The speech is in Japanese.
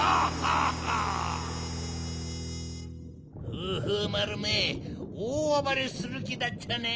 フーフーまるめおおあばれするきだっちゃね。